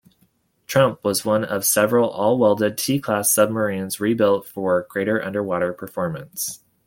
"Trump" was one of several all-welded T-Class submarines rebuilt for greater underwater performance.